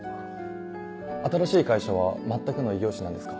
新しい会社は全くの異業種なんですか？